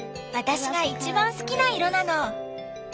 私が一番好きな色なの。